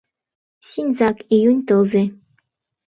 Синьзак — июнь тылзе.